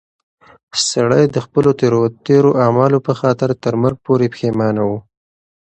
سړی د خپلو تېرو اعمالو په خاطر تر مرګ پورې پښېمانه و.